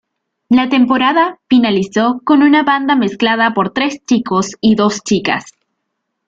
La temporada finalizó con una banda mezclada por tres chicos y dos chicas.